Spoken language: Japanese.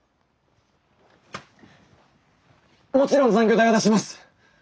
もちろん残業代は出します。